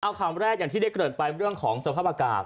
เอาคำแรกอย่างที่ได้เกิดไปเรื่องของสภาพอากาศ